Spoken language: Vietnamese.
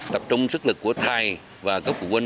tập trung sức lực của thầy và các phụ huynh